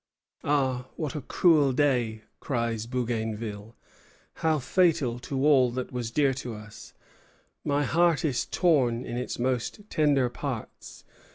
"Ah, what a cruel day!" cries Bougainville; "how fatal to all that was dearest to us! My heart is torn in its most tender parts.